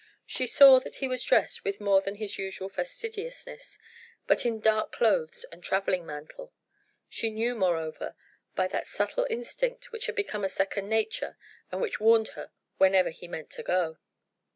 She saw that he was dressed with more than his usual fastidiousness, but in dark clothes and travelling mantle. She knew, moreover, by that subtle instinct which had become a second nature and which warned her whenever he meant to go.